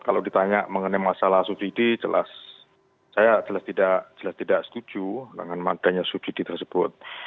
kalau ditanya mengenai masalah subsidi jelas saya jelas tidak setuju dengan madanya subsidi tersebut